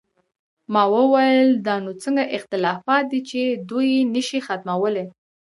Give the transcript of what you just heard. ما وویل: دا نو څنګه اختلافات دي چې دوی یې نه شي ختمولی؟